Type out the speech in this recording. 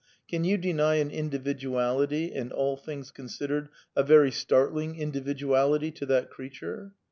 Can you deny an individuality, and, all things considered, a very startling individuality to that creature